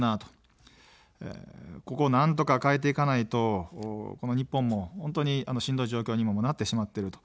ここをなんとか変えていかないと日本も本当にしんどい状況にもなってしまってる。